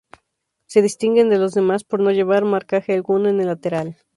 Se distinguen de los demás por no llevar marcaje alguno en el lateral.